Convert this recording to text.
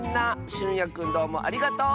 しゅんやくんどうもありがとう！